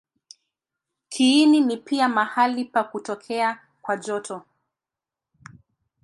Kiini ni pia mahali pa kutokea kwa joto.